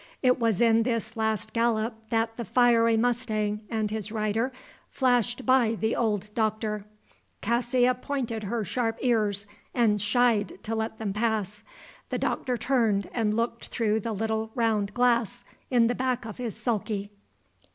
It was in this last gallop that the fiery mustang and his rider flashed by the old Doctor. Cassia pointed her sharp ears and shied to let them pass. The Doctor turned and looked through the little round glass in the back of his sulky.